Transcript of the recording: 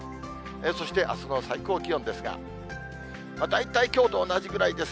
そしてあすの最高気温ですが、大体きょうと同じぐらいです。